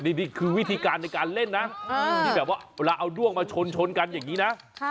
นี่คือวิธีการในการเล่นนะที่แบบว่าเวลาเอาด้วงมาชนกันอย่างนี้นะ